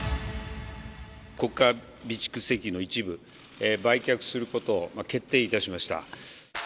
国家備蓄石油の一部売却することを決定いたしました。